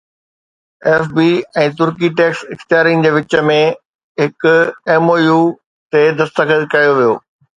F B ۽ ترڪي tax اختيارين جي وچ ۾ هڪ ايم او يو تي دستخط ڪيو ويو